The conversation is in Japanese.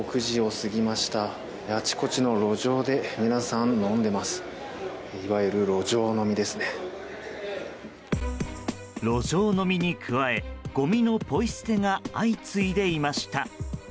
路上飲みに加えごみのポイ捨てが相次いでいました。